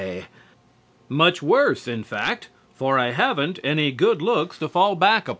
Much worse, in fact, for I haven't any good looks to fall back upon.